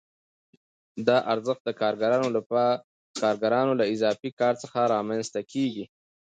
دا ارزښت د کارګرانو له اضافي کار څخه رامنځته کېږي